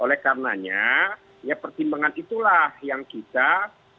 oleh karenanya ya pertimbangan itulah yang kita